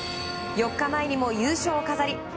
４日前にも優勝を飾り